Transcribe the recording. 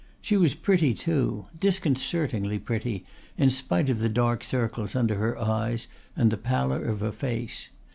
She was pretty, too, disconcertingly pretty, in spite of the dark circles under her eyes and the pallor of her face.